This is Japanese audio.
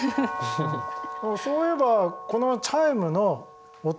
そういえばこのチャイムの音。